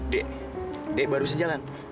d d baru bisa jalan